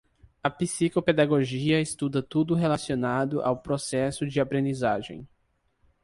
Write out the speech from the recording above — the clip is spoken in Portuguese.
A psicopedagogia estuda tudo relacionado ao processo de aprendizagem.